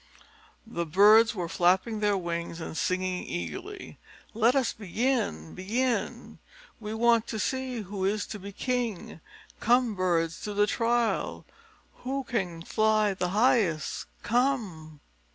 The birds were flapping their wings and singing eagerly, "Let us begin begin. We want to see who is to be king. Come, birds, to the trial. Who can fly the highest? Come!"